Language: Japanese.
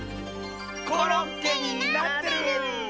コロッケになってる！